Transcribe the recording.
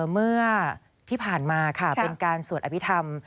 เมื่อที่ผ่านมาค่ะเป็นการสวดอภิษฐรรม